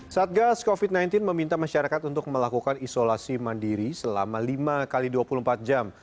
satgas covid sembilan belas meminta masyarakat untuk melakukan isolasi mandiri selama lima x dua puluh empat jam